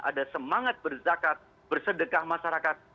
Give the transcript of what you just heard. ada semangat berzakat bersedekah masyarakat